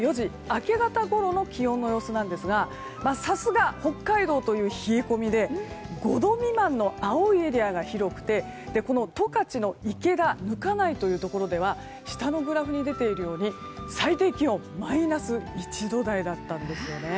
明け方ごろの気温の様子ですがさすが北海道という冷え込みで５度未満の青いエリアが広くて十勝の池田、糠内というところでは下のグラフに出ているように最低気温がマイナス１度台だったんですね。